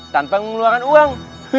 tanpa mengeluarkan uang